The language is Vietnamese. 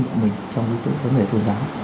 của mình trong những cái vấn đề tôn giáo